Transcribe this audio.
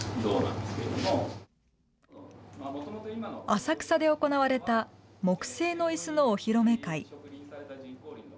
浅草で行われた木製のいすのお披露目会。